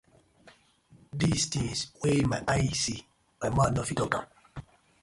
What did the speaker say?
Di tinz wey my eye see my mouth no fit tok.